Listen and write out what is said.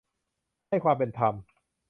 ให้ความเป็นธรรม